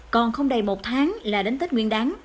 còn không đầy một tháng là đến tết nguyên đắng